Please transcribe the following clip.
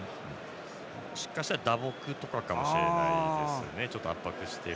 もしかしたら打撲とかかもしれませんね。